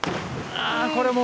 これも。